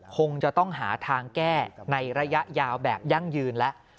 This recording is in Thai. คงจะต้องหาทางแก้ในระยะยาวแบบยั่งยืนแล้ว